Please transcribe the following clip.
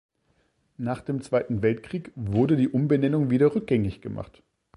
Nach dem Zweiten Weltkrieg wurde die Umbenennung wieder rückgängig gemacht.